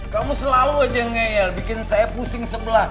kamu selalu aja ngeyel bikin saya pusing sebelah